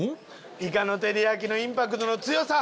イカの照り焼きのインパクトの強さ！